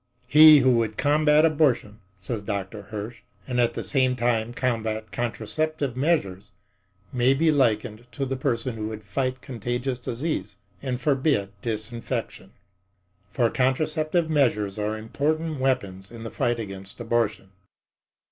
"He who would combat abortion," says Dr. Hirsch, "and at the same time combat contraceptive measures may be likened to the person who would fight contagious diseases and forbid disinfection. For contraceptive measures are important weapons in the fight against abortion.